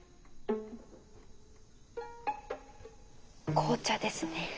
紅茶ですね。